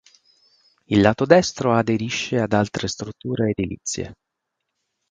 Il lato destro aderisce ad altre strutture edilizie.